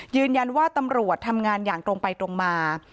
ยืนยันว่าตำรวจทำงานอย่างตรงไปตรงมา